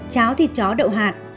cháo thịt chó đậu hạt